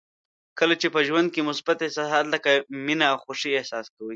کله چې په ژوند کې مثبت احساسات لکه مینه او خوښي احساس کوئ.